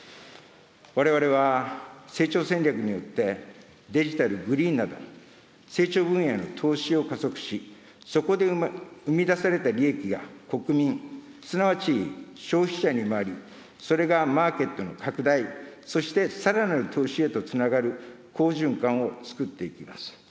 われわれは成長戦略によって、デジタル、グリーンなど、成長分野への投資を加速し、そこで生み出された利益が国民、すなわち消費者に回り、それがマーケットの拡大、さらなる投資へとつながる好循環をつくっていきます。